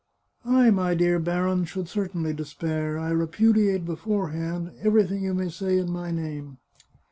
" I, my dear Baron, should certainly despair. I repudi ate beforehand everything you may say in my name.